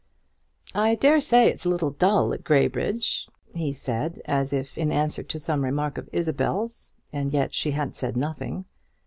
"I dare say it is a little dull at Graybridge," he said, as if in answer to some remark of Isabel's, and yet she had said nothing.